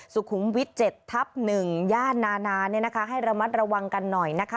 สุขุมวิทย์๗ทับ๑ญาตินานาให้ระมัดระวังกันหน่อยนะคะ